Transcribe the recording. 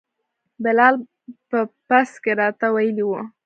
بلال په بس کې راته ویلي وو.